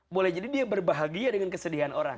boleh jadi dia berbahagia dengan kesedihan orang